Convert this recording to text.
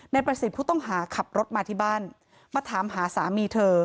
ประสิทธิ์ผู้ต้องหาขับรถมาที่บ้านมาถามหาสามีเธอ